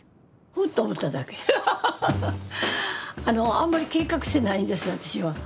あんまり計画性ないんです私は。